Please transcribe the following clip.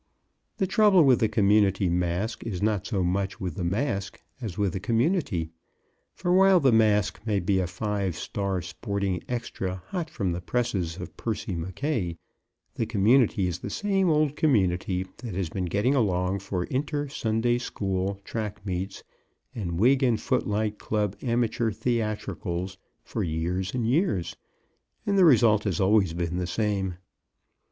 The trouble with the community masque is not so much with the masque as with the community. For while the masque may be a five star sporting extra hot from the presses of Percy Mackaye, the community is the same old community that has been getting together for inter Sunday School track meets and Wig and Footlight Club Amateur Theatricals for years and years, and the result has always been the same.